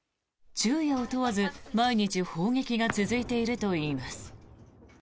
昼夜を問わず毎日砲撃が続いているといいます。